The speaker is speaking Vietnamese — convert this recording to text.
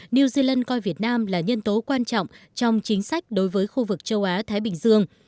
new zealand coi việt nam là nhân tố quan trọng trong chính sách đối với khu vực châu á thái bình dương